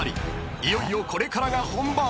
［いよいよこれからが本番］